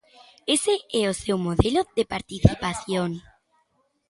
Ese é o seu modelo de participación.